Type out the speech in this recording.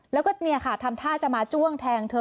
แล้วก็เนี่ยค่ะทำท่าจะมาจ้วงแทงเธอ